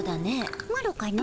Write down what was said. マロかの？